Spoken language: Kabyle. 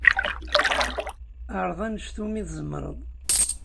Ɛreḍ anect umi tzemreḍ.